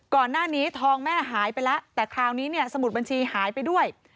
ก่อนหน้านี้ทองแม่หายไปแล้วแต่คราวนี้เนี่ยสมุดบัญชีหายไปด้วย